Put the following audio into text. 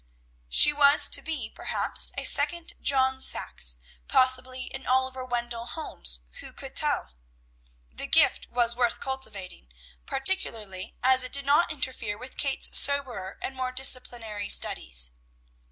She was to be, perhaps, a second John Saxe, possibly an Oliver Wendell Holmes, who could tell? The gift was worth cultivating, particularly as it did not interfere with Kate's soberer and more disciplinary studies.